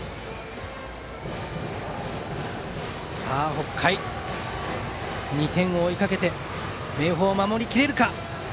北海、２点を追いかけて明豊は守れるか。